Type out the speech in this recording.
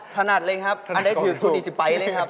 ถนัดเลยครับอันนั้นคือคุณอีซิไปเลยครับ